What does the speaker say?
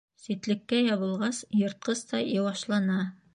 Ситлеккә ябылғас, йыртҡыс та йыуашлана.